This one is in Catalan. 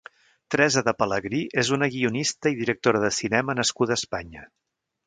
Teresa de Pelegrí és una guionista i directora de cinema nascuda a Espanya.